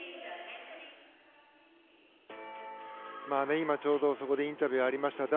今、ちょうどそこでインタビューがありました。